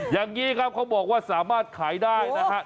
อย่างนี้ครับเขาบอกว่าสามารถขายได้นะครับ